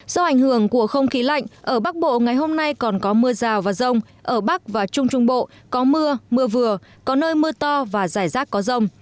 do ảnh hưởng của không khí lạnh ở bắc bộ ngày hôm nay còn có mưa rào và rông ở bắc và trung trung bộ có mưa mưa vừa có nơi mưa to và rải rác có rông